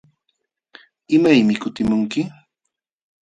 ¿Imaymi kutimunki?